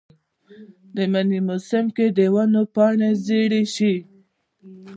د منې موسم کې د ونو پاڼې ژیړې شي.